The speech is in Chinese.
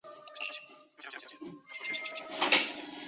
主要用途为汽油机的燃料。